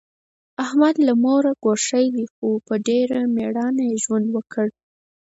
احمد له موره ګوښی دی، خو ډېر په مېړانه یې ژوند وکړ.